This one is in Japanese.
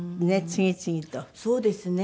そうですね。